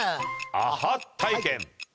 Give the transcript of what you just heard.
アハ体験。